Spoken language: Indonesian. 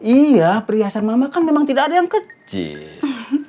iya perhiasan mama kan memang tidak ada yang kecil